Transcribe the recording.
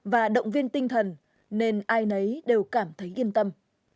và động viên tinh thần nên ai nấy đều cảm thấy yên tâm